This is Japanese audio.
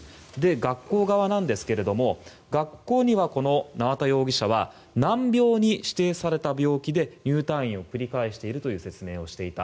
学校側ですが学校には、この縄田容疑者は難病に指定された病気で入退院を繰り返しているという説明をしていた。